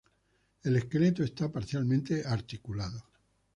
El esqueleto está parcialmente articulado.